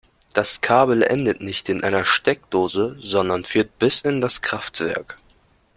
Das Kabel endet nicht in einer Steckdose, sondern führt bis in das Kraftwerk.